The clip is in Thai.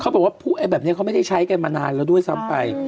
เขาบอกว่าภูนิแบบเนี้ยไม่ได้ใช้มานานแล้วด้วยซ้ำไป